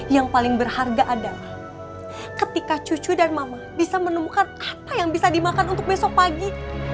yang paling berharga adalah ketika cucu dan mama bisa menemukan apa yang bisa dimakan untuk besok pagi